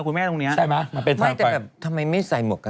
ตรงนี้แหละ